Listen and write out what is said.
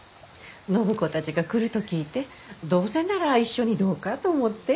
暢子たちが来ると聞いてどうせなら一緒にどうかと思って。